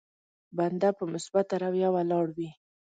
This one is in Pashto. بنده په مثبته رويه ولاړ وي.